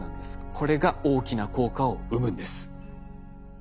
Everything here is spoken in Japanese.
これが大きな効果を生むんです。